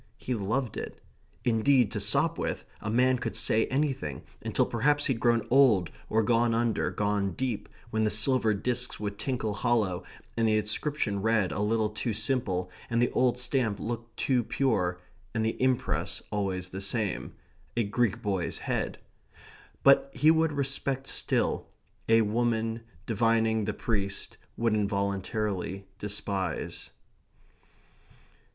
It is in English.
He loved it. Indeed to Sopwith a man could say anything, until perhaps he'd grown old, or gone under, gone deep, when the silver disks would tinkle hollow, and the inscription read a little too simple, and the old stamp look too pure, and the impress always the same a Greek boy's head. But he would respect still. A woman, divining the priest, would, involuntarily, despise.